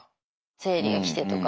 生理が来てとか。